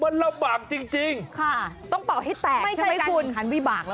มันลำบากจริงต้องเป่าให้แตกใช่มั้ยคุณ